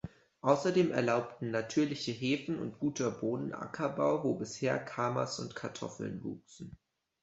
Außerdem erlaubten natürliche Häfen und guter Boden Ackerbau, wo bisher Camas und Kartoffeln wuchsen.